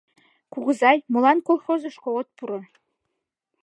Кугызай, молан колхозышко от пуро?